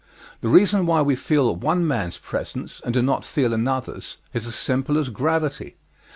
The reason why we feel one man's presence, and do not feel another's is as simple as gravity.